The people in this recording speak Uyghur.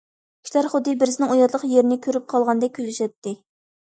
كىشىلەر خۇددى بىرسىنىڭ ئۇياتلىق يېرىنى كۆرۈپ قالغاندەك كۈلۈشەتتى.